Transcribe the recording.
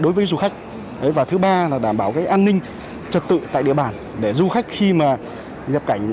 đối với du khách và thứ ba là đảm bảo an ninh trật tự tại địa bàn để du khách khi mà nhập cảnh